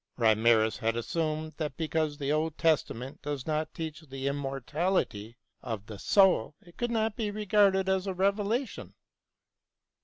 Reimarus had assumed that because the Old Testament does not teach the immortality of the soul it could ■ not be regarded as a revelation.